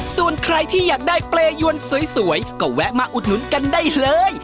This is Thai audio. ส่วนใครที่อยากได้เปรยวนสวยก็แวะมาอุดหนุนกันได้เลย